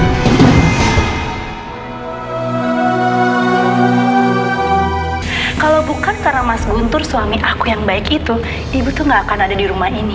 kalau bukan karena mas guntur suami aku yang baik itu ibu tuh gak akan ada di rumah ini